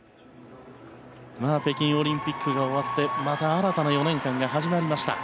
北京オリンピックが終わってまた新たな４年間が始まりました。